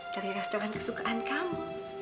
dari restoran kesukaan kamu